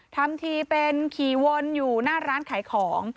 ทำทีเป็นขี่วนอยู่หน้าร้านขายของ